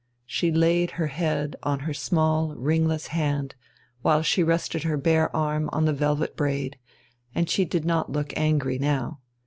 She laid her head on her small, ringless hand, while she rested her bare arm on the velvet braid, and she did not look angry now.